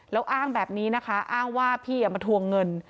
แล้วอ้างแบบนี้นะคะอ้างว่าพี่มาทวงเงิน